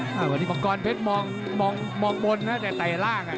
มังกรเพชรมองบนแต่ไต่ราก